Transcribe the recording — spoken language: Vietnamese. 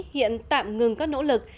hiện tạm ngừng các nỗ lực